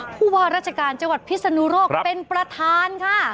ผู้ว่าราชการจังหวัดพิศนุโลกเป็นประธานค่ะ